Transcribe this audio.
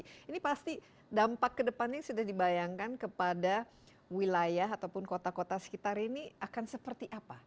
ini pasti dampak kedepannya yang sudah dibayangkan kepada wilayah ataupun kota kota sekitar ini akan seperti apa